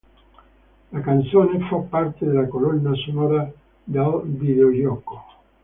La canzone fa parte della colonna sonora del videogioco